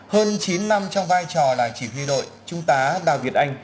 hơn chín năm trong vai trò là chỉ huy đội trung tá đào việt anh